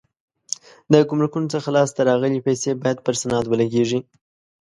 د ګمرکونو څخه لاس ته راغلي پیسې باید پر صنعت ولګېږي.